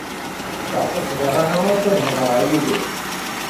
Ffeɣ! Ur bɣiɣ ara akk ad heḍṛeɣ yid-k!